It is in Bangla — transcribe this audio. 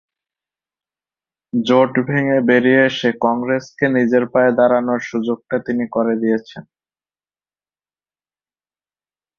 জোট ভেঙে বেরিয়ে এসে কংগ্রেসকে নিজের পায়ে দাঁড়ানোর সুযোগটা তিনি করে দিয়েছেন।